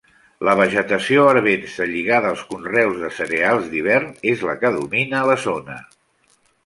La vegetació arvense lligada als conreus de cereals d’hivern és la que domina la zona.